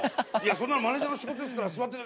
「そんなのマネージャーの仕事ですから座っててください」。